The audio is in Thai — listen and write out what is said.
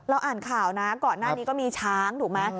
อ่านข่าวนะก่อนหน้านี้ก็มีช้างถูกไหม